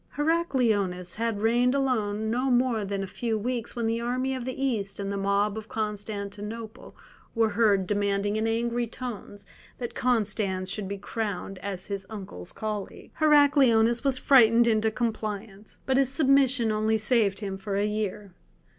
Heracleonas had reigned alone no more than a few weeks when the army of the East and the mob of Constantinople were heard demanding in angry tones that Constans should be crowned as his uncle's colleague. Heracleonas was frightened into compliance, but his submission only saved him for a year.